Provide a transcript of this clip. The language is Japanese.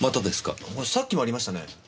これさっきもありましたね。